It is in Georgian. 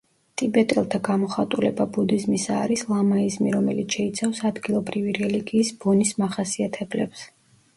ტიბეტელთა გამოხატულება ბუდიზმისა არის ლამაიზმი, რომელიც შეიცავს ადგილობრივი რელიგიის ბონის მახასიათებლებს.